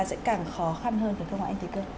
sẽ càng khó khăn hơn phải không ạ anh thị cơn